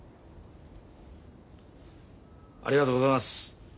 ありがとうございます。